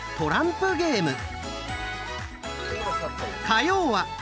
火曜は！